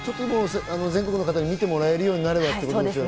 全国の方に見てもらえればということですね。